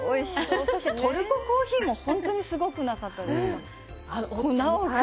そして、トルココーヒーもすごくなかったですか？